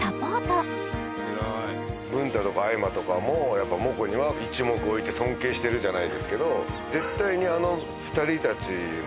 文太とかあいまとかもモコには一目置いて尊敬してるじゃないですけど。